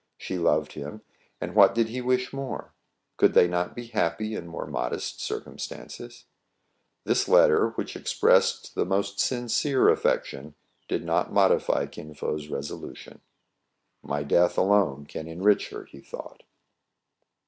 She loved him; and what did. he wish more } Could they not be happy in more modest circumstances } This letter, which ex pressed the most sincere affection, did not modify Kin Fo*s resolution. " My death alone can enrich her," he thought.